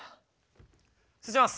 失礼します。